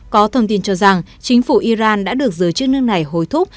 có thông tin cho rằng chính phủ iran đã được giới chức nước này hối thúc